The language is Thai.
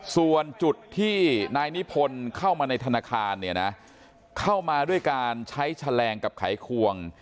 ส่วนจุดที่นายนิพนธ์เข้ามาในธนาคารเนี่ยนะเข้ามาด้วยการใช้แฉลงกับไขควง